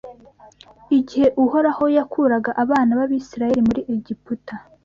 Igihe Uhoraho yakuraga abana b’Abisiraheli muri Egiputa,